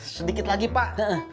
sedikit lagi pak